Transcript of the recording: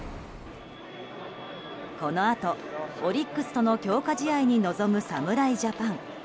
このあと、オリックスとの強化試合に臨む侍ジャパン。